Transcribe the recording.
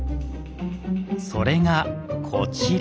それがこちら。